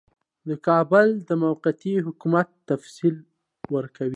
د کابل د موقتي حکومت تفصیل ورکوي.